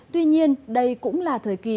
tuy nhiên đây cũng là thời kỳ